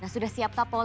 sudah siap tak paul